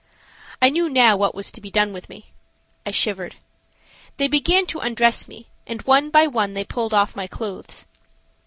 I knew now what was to be done with me. I shivered. They began to undress me, and one by one they pulled off my clothes.